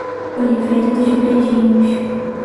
Oliveira dos Brejinhos